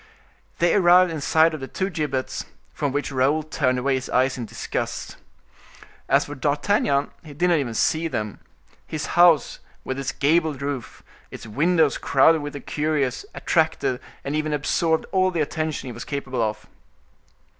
They arrived in sight of the two gibbets, from which Raoul turned away his eyes in disgust. As for D'Artagnan, he did not even see them; his house with its gabled roof, its windows crowded with the curious, attracted and even absorbed all the attention he was capable of.